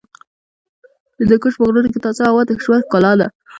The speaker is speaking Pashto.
د هندوکش په غرونو کې تازه هوا د ژوند ښکلا ده.